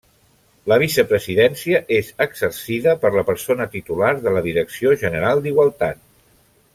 La vicepresidència és exercida per la persona titular de la Direcció General d'Igualtat.